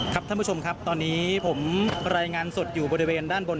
ท่านผู้ชมครับตอนนี้ผมรายงานสดอยู่บริเวณด้านบน